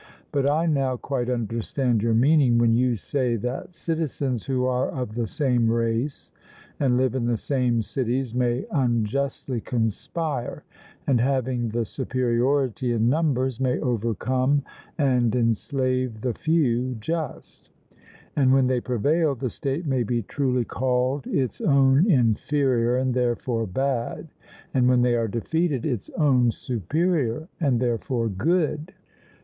But I now quite understand your meaning when you say that citizens who are of the same race and live in the same cities may unjustly conspire, and having the superiority in numbers may overcome and enslave the few just; and when they prevail, the state may be truly called its own inferior and therefore bad; and when they are defeated, its own superior and therefore good.